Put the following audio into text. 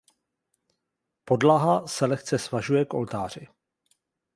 Podlaha se lehce svažuje k oltáři.